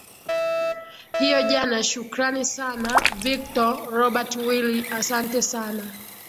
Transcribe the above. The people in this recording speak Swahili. hiyo jana shukrani sana victor robert willi asante sana